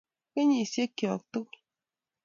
Kenyisiekyok tugul.